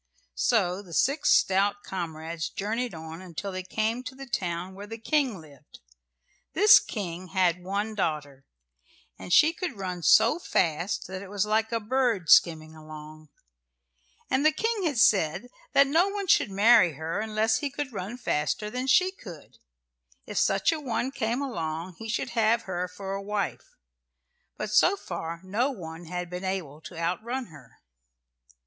So the six stout comrades journeyed on until they came to the town where the King lived. This King had one daughter, and she could run so fast that it was like a bird skimming along, and the King had said that no one should marry her unless he could run faster than she could; if such a one came along he should have her for a wife. But so far no one had been able to outrun her.